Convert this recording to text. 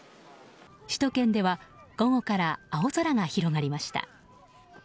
首都圏では午後から青空が広がりました。